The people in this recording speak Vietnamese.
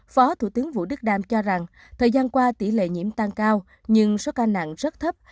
phó thủ tướng vũ đức đam cho rằng thời gian qua tỷ lệ nhiễm tăng cao nhưng số ca nặng rất thấp